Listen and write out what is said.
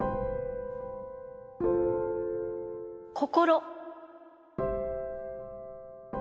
心。